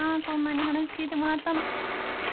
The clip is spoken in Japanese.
こんなに話聞いてもらったの。